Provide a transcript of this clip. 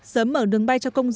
sớm mở đường bay cho công dân